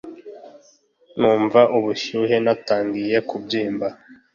numva ubushyuhe, natangiye kubyimba.